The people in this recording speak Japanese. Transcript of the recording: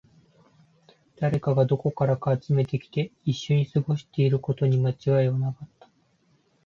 誰かがどこからか集めてきて、一緒に過ごしていることに間違いはなかった